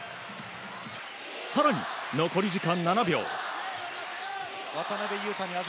更に、残り時間７秒。